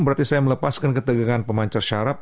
berarti saya melepaskan ketegangan pemancar syarab